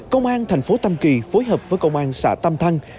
công an thành phố tâm kỳ phối hợp với công an sài gòn